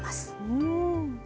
うん。